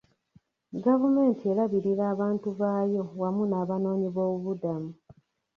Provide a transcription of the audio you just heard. Gavumenti erabirira abantu baayo wamu n'abanoonyiboobudamu.